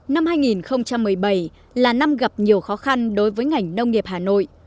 năm hai nghìn một mươi bảy là năm gặp nhiều khó khăn đối với ngành nông nghiệp hà nội